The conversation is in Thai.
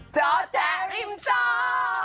เจ้าแจ๊กริมเจ้า